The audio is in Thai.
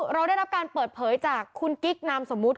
เราได้รับการเปิดเผยจากคุณกิ๊กนามสมมุติ